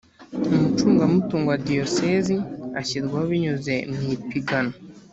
umucungamutungo wa diyosezi ashyirwaho binyuze mu ipiganwa